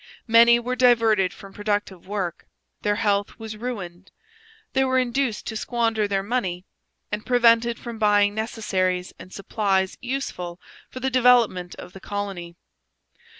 Many were diverted from productive work, their health was ruined, they were induced to squander their money, and prevented from buying necessaries and supplies useful for the development of the colony.